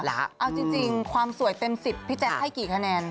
เอาจริงความสวยเต็ม๑๐พี่แจ๊คให้กี่คะแนน